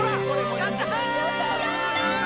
やった！